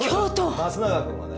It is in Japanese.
松永君はね